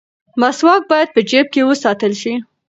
مسواک باید په جیب کې وساتل شي.